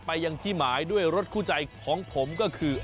ยังที่หมายด้วยรถคู่ใจของผมก็คือ